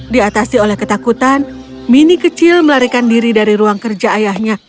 diatasi oleh ketakutan mini kecil melarikan diri dari ruang kerja ayahnya